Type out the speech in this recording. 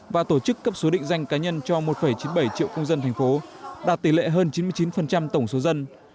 và tổ chức cấp số định danh cá nhân cho một chín mươi bảy triệu công dân thành phố đạt tỷ lệ hơn chín mươi chín tổng số dân